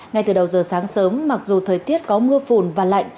ngay từ đầu giờ sáng sớm mặc dù thời tiết có mưa phùn và lạnh